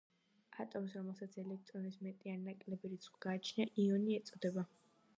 ატომს, რომელსაც ელექტრონის მეტი ან ნაკლები რიცხვი გააჩნია, იონი ეწოდება.